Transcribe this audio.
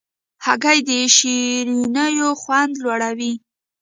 هګۍ د شیرینیو خوند لوړوي.